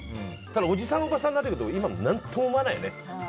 ただ、おじさん、おばさんになってくると何とも思わないよね。